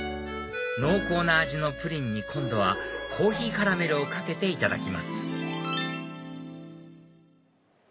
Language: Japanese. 濃厚な味のプリンに今度はコーヒーカラメルをかけていただきます